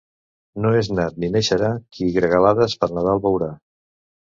No és nat ni naixerà qui gregalades per Nadal veurà.